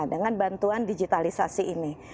dengan bantuan digitalisasi ini